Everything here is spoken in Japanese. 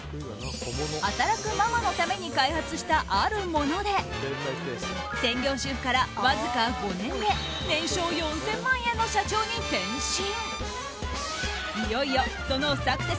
働くママのために開発したあるもので専業主婦からわずか５年で年商４０００万円の社長に転身。